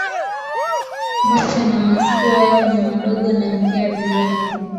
Macho na masikio yao ni madogo na mkia vilevile.